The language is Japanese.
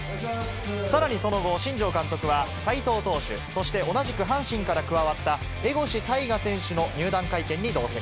さらにそのご、新庄監督は、齋藤投手、そして同じく阪神から加わった江越大賀選手の入団会見に同席。